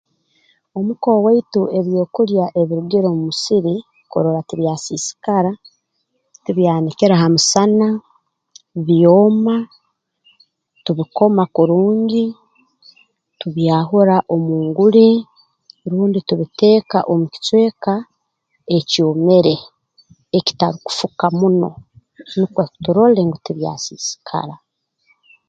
Omu ka owaitu ebyokulya ebirugire omu musiri kurora tibyasiisikara tubyanikira ha musana byoma tubikoma kurungi tubyahura omu nguli rundi tubiteeka omu kicweka ekyomere ekitarukufuka muno nukwo turole ngu tibyasiisikara